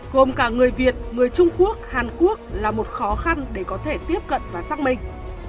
gồm cả người việt người trung quốc hàn quốc là một khó khăn để có thể tiếp cận và xác minh